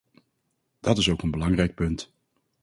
Dat is ook een belangrijk punt.